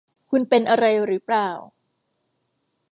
คุณเป็นอะไรหรือเปล่า